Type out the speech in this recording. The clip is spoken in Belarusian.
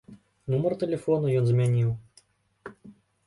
Нумар тэлефона ён змяніў.